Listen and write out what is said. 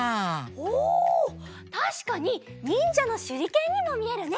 おたしかににんじゃのしゅりけんにもみえるね！